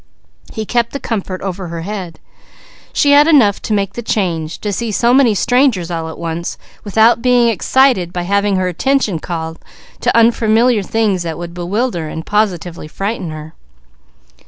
He kept the comfort over her head. She had enough to make the change, to see so many strangers all at once, without being excited by unfamiliar things that would bewilder and positively frighten her.